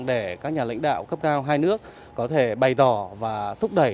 để các nhà lãnh đạo cấp cao hai nước có thể bày tỏ và thúc đẩy